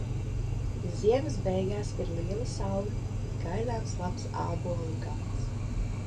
Ja ziemas beigās ir liela salna, tad gaidāms labs ābolu gads.